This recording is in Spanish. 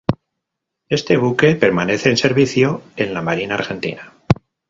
Este buque permanece en servicio en la Marina Argentina.